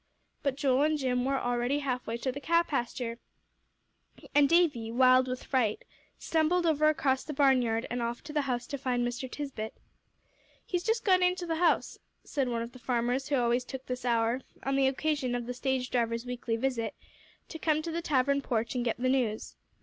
But Joel and Jim were already halfway to the cow pasture, and Davie, wild with fright, stumbled over across the barnyard, and off to the house to find Mr. Tisbett. "He's just gone into th' house," said one of the farmers who always took this hour, on the occasion of the stage driver's weekly visit, to come to the tavern porch and get the news.